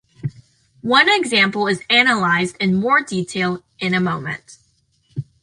One example is analysed in more detail, in a moment.